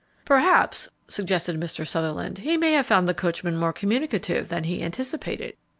"Perhaps," suggested Mr. Sutherland, "he may have found the coachman more communicative than he anticipated."